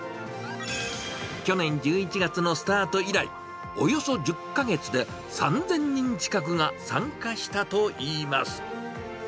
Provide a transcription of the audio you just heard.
去年１１月のスタート以来、およそ１０か月で３０００人近くが参加したといいます。